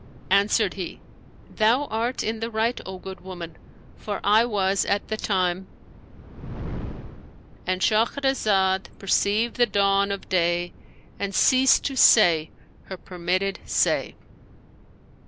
Answered he, "Thou art in the right, O good woman; for I was, at the time"—And Shahrazad perceived the dawn of day and ceased to say her permitted say.